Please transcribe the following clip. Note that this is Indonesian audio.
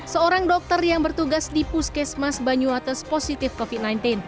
seorang dokter yang bertugas di puskesmas banyuates positif covid sembilan belas